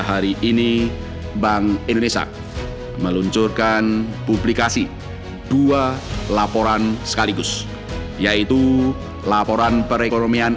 hari ini bank indonesia meluncurkan publikasi dua laporan sekaligus yaitu laporan perekonomian